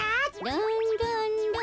ルンルンルン。